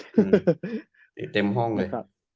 เต็มห้องเลย